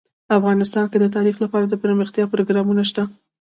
افغانستان کې د تاریخ لپاره دپرمختیا پروګرامونه شته.